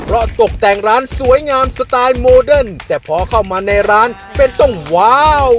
เพราะตกแต่งร้านสวยงามสไตล์โมเดิร์นแต่พอเข้ามาในร้านเป็นต้องว้าว